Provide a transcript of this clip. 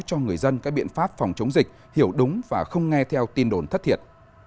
cho người dân các biện pháp phòng chống dịch hiểu đúng và không nghe theo tin đồn thất thiệt